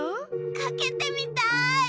かけてみたい！